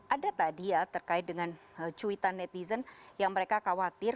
ada tadi ya terkait dengan cuitan netizen yang mereka khawatir